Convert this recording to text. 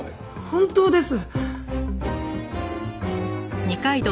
本当です！